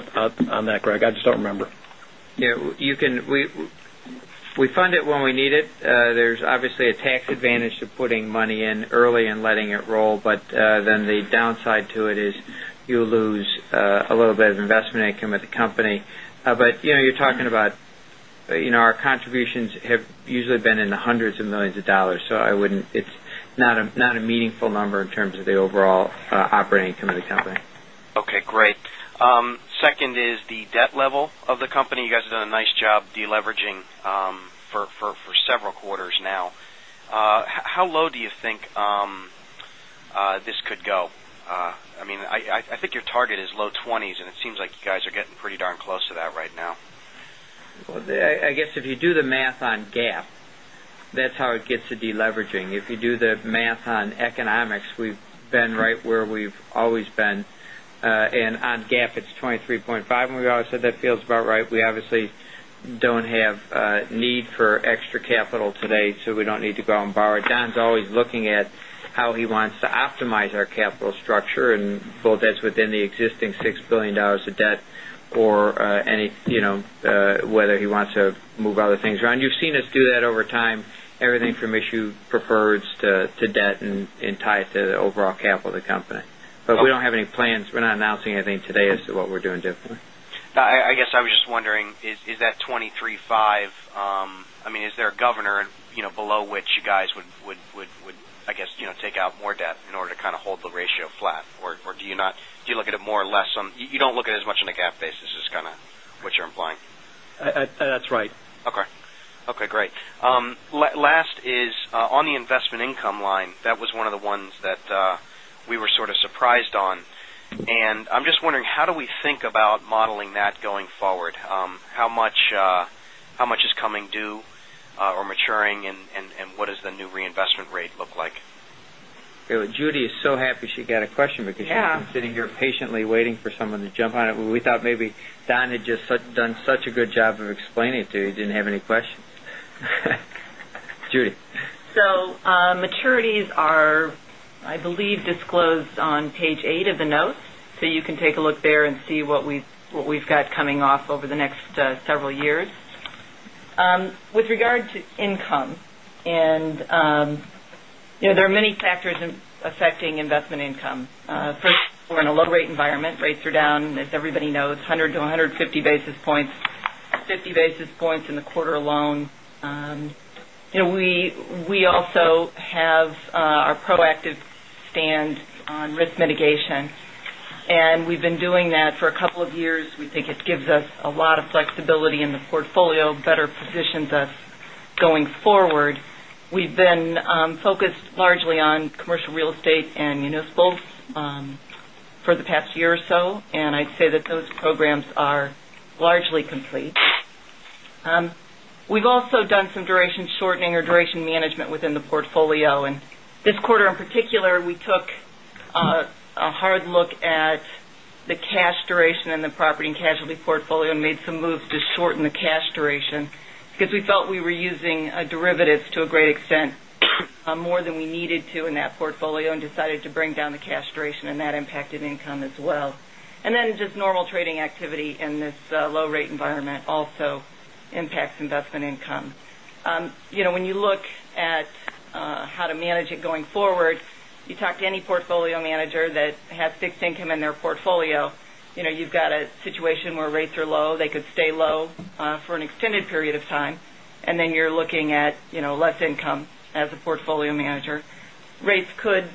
on that, Greg. I just don't remember. We fund it when we need it. There's obviously a tax advantage to putting money in early and letting it roll. The downside to it is you lose a little bit of investment income at the company. You're talking about our contributions have usually been in the $hundreds of millions, so it's not a meaningful number in terms of the overall operating income of the company. Okay, great. Second is the debt level of the company. You guys have done a nice job deleveraging for several quarters now. How low do you think this could go? I think your target is low 20s, and it seems like you guys are getting pretty darn close to that right now. Well, I guess if you do the math on GAAP, that's how it gets to deleveraging. If you do the math on economics, we've been right where we've always been. On GAAP, it's 23.5, and we've always said that feels about right. We obviously don't have a need for extra capital today, we don't need to go and borrow. Don's always looking at how he wants to optimize our capital structure, and both that's within the existing $6 billion of debt or whether he wants to move other things around. You've seen us do that over time, everything from issue preferreds to debt and tie it to the overall capital of the company. We don't have any plans. We're not announcing anything today as to what we're doing differently. I guess I was just wondering, is that 23.5, is there a governor below which you guys would, I guess, take out more debt in order to kind of hold the ratio flat? Do you look at it more or less? You don't look at as much on a GAAP basis is what you're implying. That's right. Okay, great. Last is on the investment income line. That was one of the ones that we were sort of surprised on. I'm just wondering, how do we think about modeling that going forward? How much is coming due or maturing, what does the new reinvestment rate look like? Judy is so happy she got a question because she's been sitting here patiently waiting for someone to jump on it. We thought maybe Don had just done such a good job of explaining it to you didn't have any questions. Judy. Maturities are, I believe, disclosed on page eight of the notes. You can take a look there and see what we've got coming off over the next several years. With regard to income, there are many factors affecting investment income. First, we're in a low rate environment. Rates are down, as everybody knows, 100-150 basis points, 50 basis points in the quarter alone. We also have our proactive stand on risk mitigation, we've been doing that for a couple of years. We think it gives us a lot of flexibility in the portfolio, better positions us going forward. We've been focused largely on commercial real estate and municipals for the past year or so, I'd say that those programs are largely complete. We've also done some duration shortening or duration management within the portfolio. This quarter in particular, we took a hard look at the cash duration and the property and casualty portfolio and made some moves to shorten the cash duration because we felt we were using derivatives to a great extent More than we needed to in that portfolio decided to bring down the cash duration, and that impacted income as well. Just normal trading activity in this low rate environment also impacts investment income. When you look at how to manage it going forward, you talk to any portfolio manager that has fixed income in their portfolio, you've got a situation where rates are low. They could stay low for an extended period of time, you're looking at less income as a portfolio manager. Rates could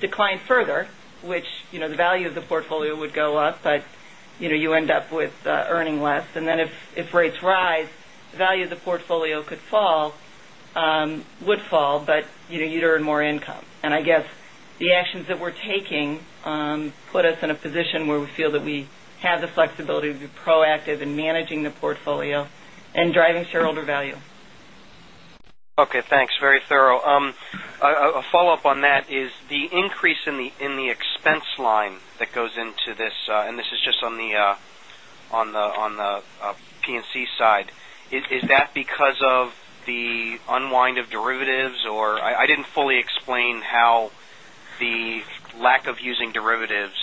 decline further, which the value of the portfolio would go up, but you end up with earning less. If rates rise, the value of the portfolio could fall, would fall, but you'd earn more income. I guess the actions that we're taking put us in a position where we feel that we have the flexibility to be proactive in managing the portfolio and driving shareholder value. Okay, thanks. Very thorough. A follow-up on that is the increase in the expense line that goes into this. This is just on the P&C side. Is that because of the unwind of derivatives? I didn't fully explain how the lack of using derivatives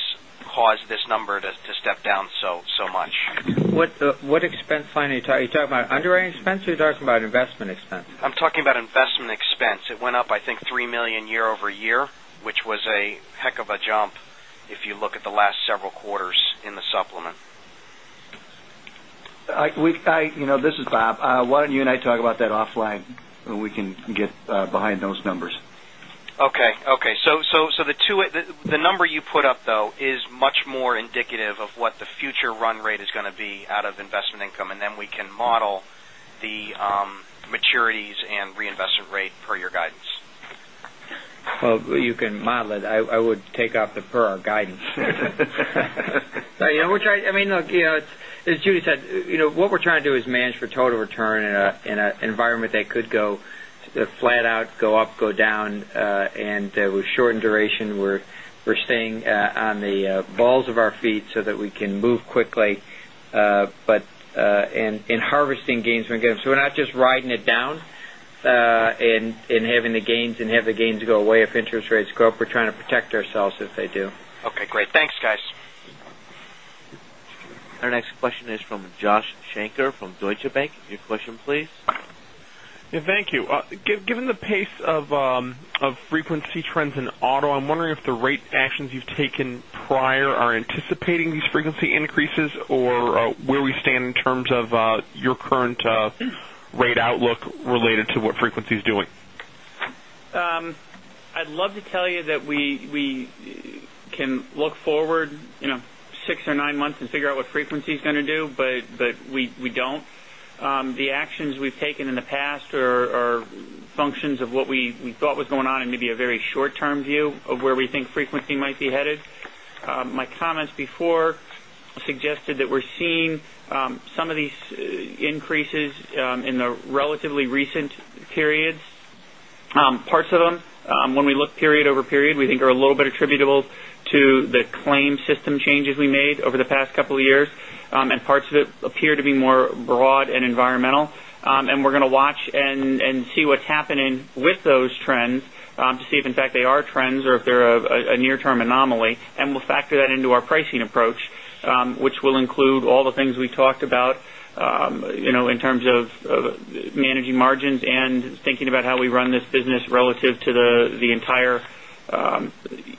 caused this number to step down so much. What expense line are you talking? Are you talking about underwriting expense or are you talking about investment expense? I'm talking about investment expense. It went up, I think, $3 million year-over-year, which was a heck of a jump if you look at the last several quarters in the supplement. This is Bob. Why don't you and I talk about that offline, and we can get behind those numbers. Okay. The number you put up, though, is much more indicative of what the future run rate is going to be out of investment income, and then we can model the maturities and reinvestment rate per your guidance. Well, you can model it. I would take out the per our guidance. As Judy said, what we're trying to do is manage for total return in an environment that could go flat out, go up, go down. With shortened duration, we're staying on the balls of our feet so that we can move quickly, and harvesting gains when we get them. We're not just riding it down and having the gains go away if interest rates go up. We're trying to protect ourselves if they do. Okay, great. Thanks, guys. Our next question is from Joshua Shanker from Deutsche Bank. Your question, please. Yeah, thank you. Given the pace of frequency trends in auto, I'm wondering if the rate actions you've taken prior are anticipating these frequency increases, or where we stand in terms of your current rate outlook related to what frequency's doing. I'd love to tell you that we can look forward six or nine months and figure out what frequency's going to do, but we don't. The actions we've taken in the past are functions of what we thought was going on and maybe a very short-term view of where we think frequency might be headed. My comments before suggested that we're seeing some of these increases in the relatively recent periods. Parts of them, when we look period over period, we think are a little bit attributable to the claim system changes we made over the past couple of years. Parts of it appear to be more broad and environmental. We're going to watch and see what's happening with those trends to see if, in fact, they are trends or if they're a near-term anomaly. We'll factor that into our pricing approach, which will include all the things we talked about in terms of managing margins and thinking about how we run this business relative to the entire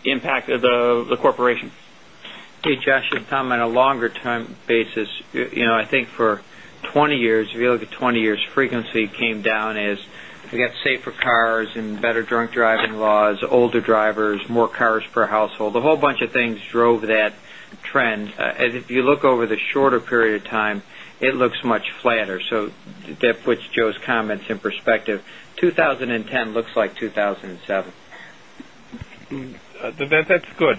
impact of the corporation. Hey, Josh, it's Tom. On a longer time basis, I think for 20 years, if you look at 20 years, frequency came down as we got safer cars and better drunk driving laws, older drivers, more cars per household. A whole bunch of things drove that trend. If you look over the shorter period of time, it looks much flatter. That puts Joe's comments in perspective. 2010 looks like 2007. That's good.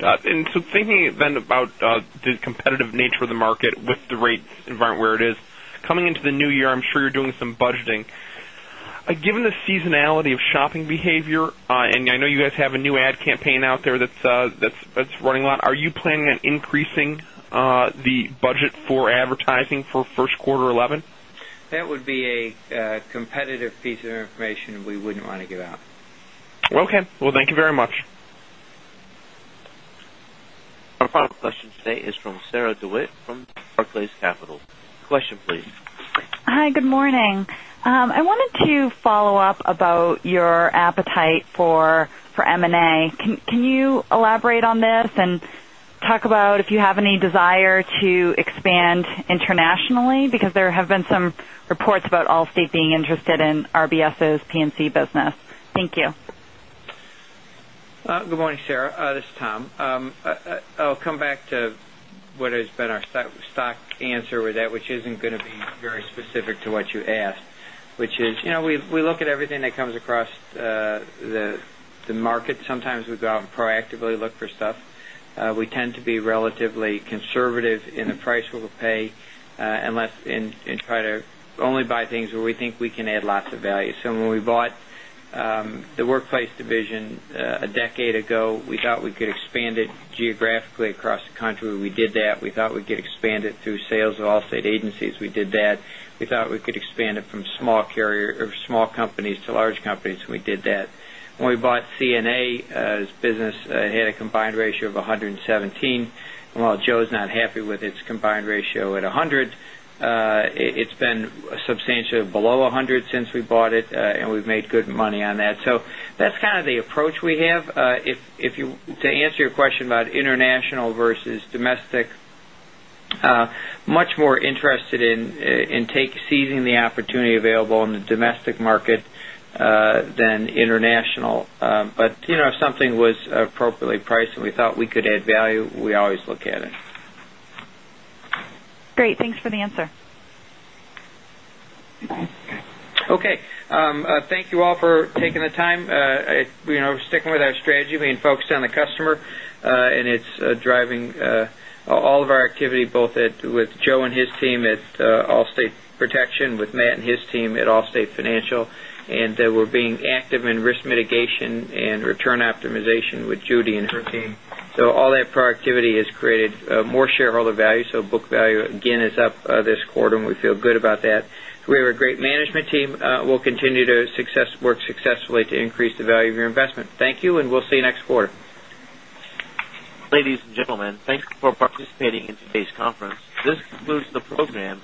Thinking then about the competitive nature of the market with the rate environment where it is, coming into the new year, I'm sure you're doing some budgeting. Given the seasonality of shopping behavior, I know you guys have a new ad campaign out there that's running a lot, are you planning on increasing the budget for advertising for first quarter 2011? That would be a competitive piece of information we wouldn't want to give out. Okay. Well, thank you very much. Our final question today is from Sarah DeWitt from Barclays Capital. Question, please. Hi, good morning. I wanted to follow up about your appetite for M&A. Can you elaborate on this and talk about if you have any desire to expand internationally? There have been some reports about Allstate being interested in RBS's P&C business. Thank you. Good morning, Sarah. This is Tom. I'll come back to what has been our stock answer with that, which isn't going to be very specific to what you asked, which is we look at everything that comes across the market. Sometimes we go out and proactively look for stuff. We tend to be relatively conservative in the price we'll pay and try to only buy things where we think we can add lots of value. When we bought the Allstate Workplace Division a decade ago, we thought we could expand it geographically across the country. We did that. We thought we could expand it through sales of Allstate agencies. We did that. We thought we could expand it from small companies to large companies. We did that. When we bought CNA's business, it had a combined ratio of 117. While Joe's not happy with its combined ratio at 100, it's been substantially below 100 since we bought it. We've made good money on that. That's kind of the approach we have. To answer your question about international versus domestic, much more interested in seizing the opportunity available in the domestic market than international. If something was appropriately priced and we thought we could add value, we always look at it. Great. Thanks for the answer. Okay. Thank you all for taking the time. Sticking with our strategy, being focused on the customer, it's driving all of our activity, both with Joe and his team at Allstate Protection, with Matt and his team at Allstate Financial. We're being active in risk mitigation and return optimization with Judy and her team. All that productivity has created more shareholder value. Book value again is up this quarter. We feel good about that. We have a great management team. We'll continue to work successfully to increase the value of your investment. Thank you, and we'll see you next quarter. Ladies and gentlemen, thank you for participating in today's conference. This concludes the program.